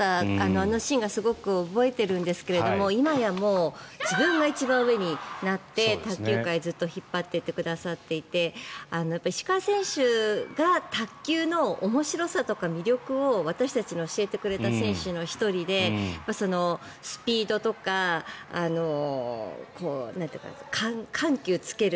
あのシーンをすごく覚えているんですが今や自分が一番上になって卓球界をずっと引っ張っていてくださって石川選手が卓球の面白さとか魅力を私たちに教えてくれた選手の１人でスピードとか緩急つける